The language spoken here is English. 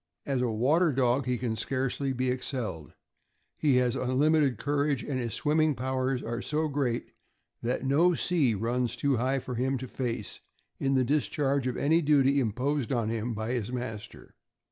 As a water dog he can scarcely be excelled; he has unlimited courage, and his swimming powers are so great that no sea runs too high for him to face in the discharge of any duty imposed on him by his master.